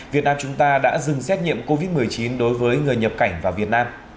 việt nam chúng ta đã dừng xét nghiệm covid một mươi chín đối với người nhập cảnh vào việt nam